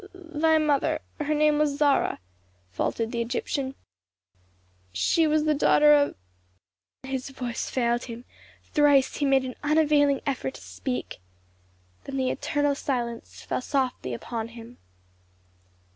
"Thy mother her name was Zarah," faltered the Egyptian "she was the daughter of " his voice failed him; thrice he made an unavailing effort to speak, then the eternal silence fell softly upon him.